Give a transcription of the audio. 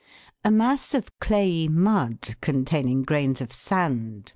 A mass of clayey mud, containing grains of sand, Fig.